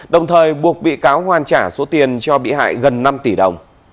đồng thời buộc bị cáo hoàn trả số tiền cho bị cáo